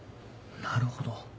なるほど。